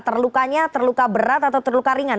terlukanya terluka berat atau terluka ringan